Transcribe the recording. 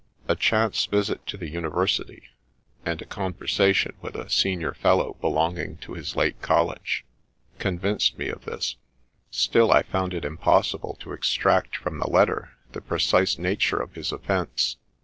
A chance THE LATE HENRY HARRIS, D.D. 113 visit to the university, and a conversation with a senior fellow belonging to his late college, convinced me of this ; still I found it impossible to extract from the latter the precise nature of his offence.